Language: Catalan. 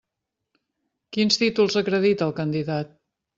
Quins títols acredita el candidat?